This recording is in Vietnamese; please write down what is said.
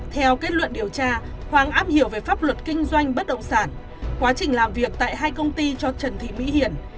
theo kết luận điều tra hoàng am hiểu về pháp luật kinh doanh bất động sản quá trình làm việc tại hai công ty cho trần thị mỹ hiền